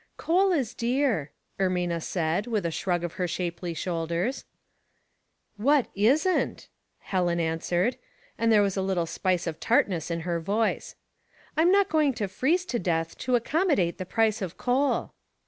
"Coal is dear," Ermina said, with a shrug of her shapel}^ shoulders. "What isrCtf Helen answered, and there was a little spice of tartness in her voice ;" I'm not going to freeze to death to accommodate the price of coal."